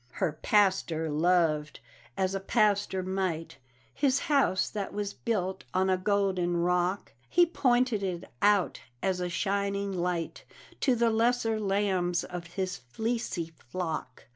Her pastor loved as a pastor might His house that was built on a golden rock; He pointed it out as a shining light To the lesser lambs of his fleecy flock.